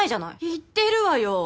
言ってるわよ。